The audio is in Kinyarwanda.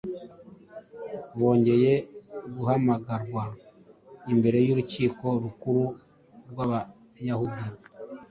Bongeye guhamagarwa imbere y’urukiko rukuru rw’Abayahudi,